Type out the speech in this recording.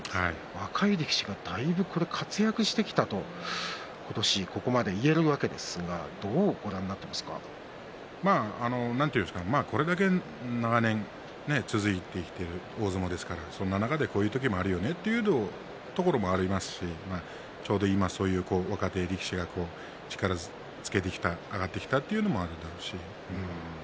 若い力士がだいぶ活躍してきたと今年ここまで言えるわけですがこれだけ長年続いてきている大相撲ですからその中で、こういう時もあるよねというところもありますしちょうど今そういう若手力士が力をつけてきた、上がってきたというのもあるだろうし。